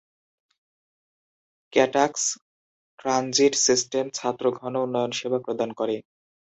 ক্যাট্যাকস transit system ছাত্র-ঘন উন্নয়ন সেবা প্রদান করে।